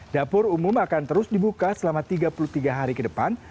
dapur umum akan terus dibuka selama tiga puluh tiga hari ke depan